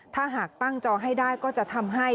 ถ้าหากตั้งจอให้ได้ก็จะทำให้